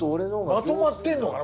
まとまってんのかな？